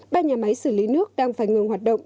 ba nhà máy xử lý nước đang phải ngừng hoạt động